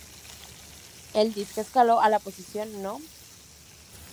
El disco escaló a la posición No.